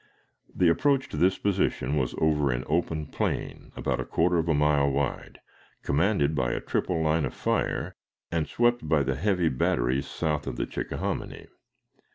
The approach to this position was over an open plain, about a quarter of a mile wide, commanded by a triple line of fire, and swept by the heavy batteries south of the Chickahominy.